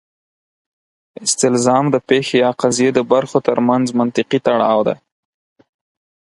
استلزام د پېښې یا قضیې د برخو ترمنځ منطقي تړاو دی.